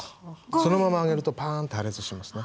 そのまま揚げるとパーンッて破裂しますね。